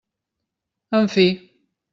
En fi!